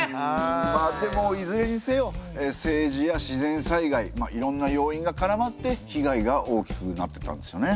まあでもいずれにせよ政治や自然災害いろいろな要因がからまって被害が大きくなったんですよね。